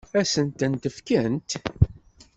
Ad sent-tent-fkent?